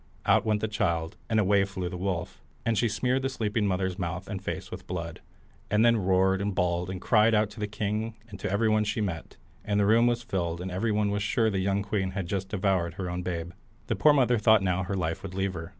Out went the child, and away with it flew the wolf, and she smeared the sleeping mother's mouth and face with blood, and then roared, and bawled, and cried out to the king and to everybody she met, and the room was filled, and everyone was sure the young queen had just devoured her own babe. The poor mother thought now her life would leave her.